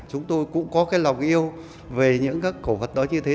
chúng tôi cũng có cái lòng yêu về những các cổ vật đó như thế